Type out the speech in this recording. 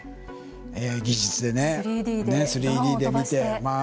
技術でね、３Ｄで見て。